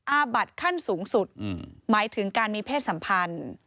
อาบัติขั้นสูงสุดหมายถึงการมีเพศสัมพันธ์